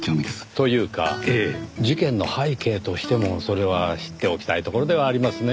というか事件の背景としてもそれは知っておきたいところではありますねぇ。